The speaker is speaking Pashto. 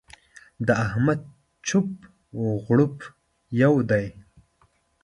د احمد چپ و غړوپ يو دی.